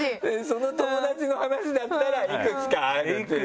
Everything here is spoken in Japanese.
その友達の話だったらいくつかあるっていう？